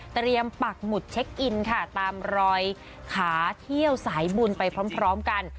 ปักหมุดเช็คอินค่ะตามรอยขาเที่ยวสายบุญไปพร้อมกัน